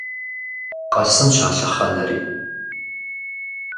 Къэсынщ а лъэхъэнэри!